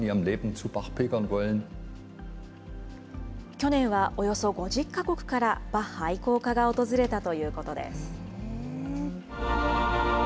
去年はおよそ５０か国から、バッハ愛好家が訪れたということです。